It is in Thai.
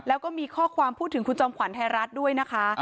แล้วก็มีข้อความพูดถึงคุณจอมขวัญไทยรัฐด้วยนะคะ